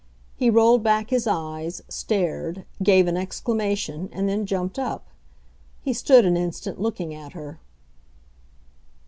He rolled back his eyes, stared, gave an exclamation, and then jumped up. He stood an instant, looking at her.